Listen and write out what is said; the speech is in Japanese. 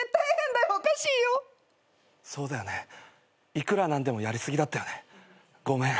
いくら何でもやり過ぎだったよねごめん。